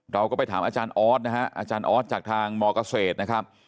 เราก็ไปถามอาจารย์ออสนะฮะอาจารย์ออสจากทางมเกษตรนะครับ